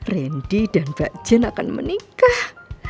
randy dan mbak jen akan menikah